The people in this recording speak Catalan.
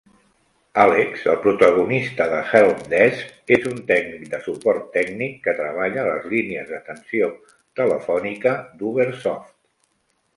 Alex, el protagonista de "Help Desk", és un tècnic de suport tècnic que treballa a les línies d'atenció telefònica d'Ubersoft.